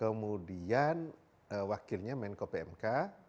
kemudian wakilnya menko pmk